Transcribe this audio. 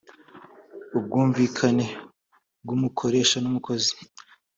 ubwumvikane bw’umukoresha n’umukozi